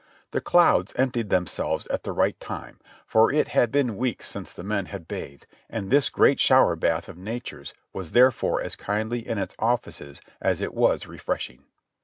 The clouds emptied them selves at the right time, for it had been weeks since the men had bathed, and this great shower bath of Nature's was therefore as kindly in its offices as it was refreshing.